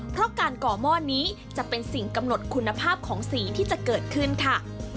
เพราะการก่อหม้อนี้จะเป็นสิ่งกำหนดคุณภาพของสีที่จะเกิดขึ้นค่ะ